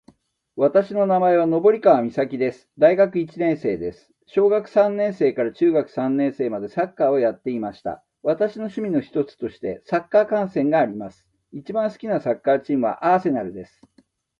私の名前は登川岬です。大学一年生です。小学三年生から中学三年生までサッカーをやっていました。私の趣味の一つとしてサッカー観戦があります。一番好きなサッカーチームは、アーセナルです。